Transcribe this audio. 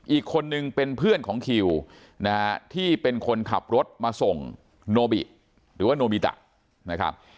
อีกคนนึงเป็นเพื่อนของคิวนะฮะที่เป็นคนขับรถมาส่งโนบิหรือว่าโนบิตะนะครับ